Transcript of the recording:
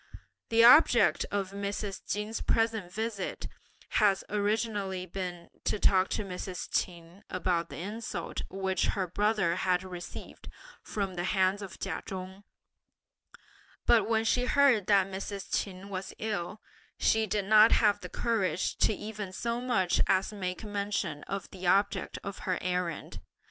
The object of Mrs. Chin's present visit had originally been to talk to Mrs. Ch'in about the insult which her brother had received from the hands of Ch'in Chung, but when she heard that Mrs. Ch'in was ill, she did not have the courage to even so much as make mention of the object of her errand.